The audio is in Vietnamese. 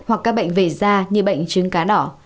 hoặc các bệnh về da như bệnh trứng cá đỏ